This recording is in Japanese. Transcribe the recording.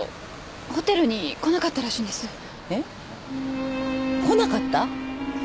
えっ？来なかった？